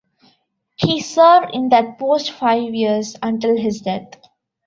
He served in that post five years, until his death.